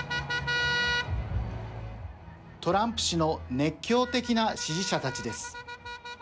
トランプ氏の熱狂的な支持者たちです。